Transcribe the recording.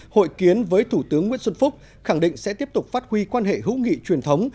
hội kiến với thủ tướng nguyễn xuân phúc khẳng định sẽ tiếp tục phát huy quan hệ hữu nghị truyền thống